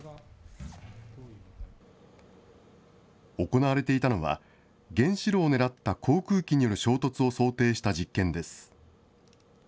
行われていたのは、原子炉を狙った航空機による衝突を想定した実験です。